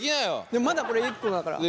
でもまだこれ一個だから。